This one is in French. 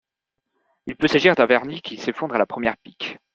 Il peut s'agir d'un vernis qui s'effondre à la première pique.